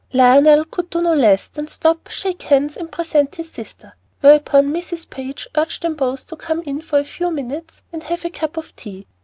Lionel could do no less than stop, shake hands, and present his sister, whereupon Mrs. Page urged them both to come in for a few minutes and have a cup of tea.